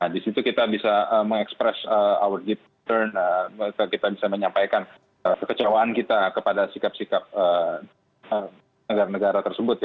di situ kita bisa mengekspresikan kekecewaan kita kepada sikap sikap negara negara tersebut